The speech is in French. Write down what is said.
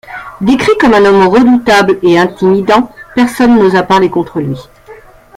Décrit comme un homme redoutable et intimidant, personne n'osa parler contre lui.